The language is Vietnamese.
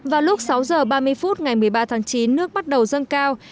vào lúc sáu h ba mươi phút ngày một mươi ba tháng chín nước bắt đầu dâng cao